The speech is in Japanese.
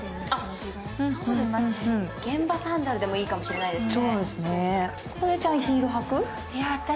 現場サンダルでもいいかもしれないですね。